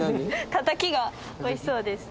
たたきがおいしそうです。